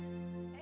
え！？